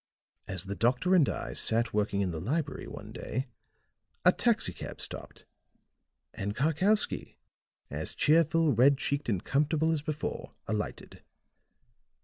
As the doctor and I sat working in the library one day, a taxi cab stopped and Karkowsky, as cheerful, red cheeked and comfortable as before, alighted.